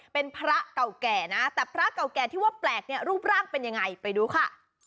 เป็นพระเก่าแก่นะแต่พระเก่าแก่ที่ว่าแปลกเนี่ยรูปร่างเป็นยังไงไปดูค่ะ